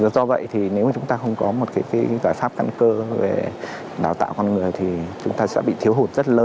do vậy thì nếu mà chúng ta không có một cái giải pháp căn cơ về đào tạo con người thì chúng ta sẽ bị thiếu hụt rất lớn